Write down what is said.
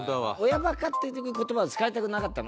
「親バカ」っていう言葉を使いたくなかったの。